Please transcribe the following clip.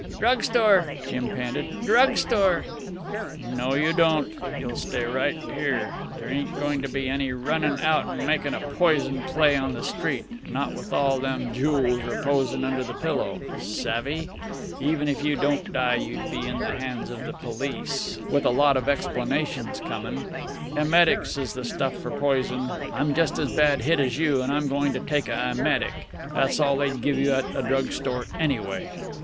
"Drug store," Jim panted. "Drug store." "No you don't. You'll stay right here. There ain't goin' to be any runnin' out an' makin' a poison play on the street not with all them jools reposin' under the pillow. Savve? Even if you didn't die, you'd be in the hands of the police with a lot of explanations comin'. Emetics is the stuff for poison. I'm just as bad bit as you, an' I'm goin' to take a emetic. That's all they'd give you at a drug store, anyway."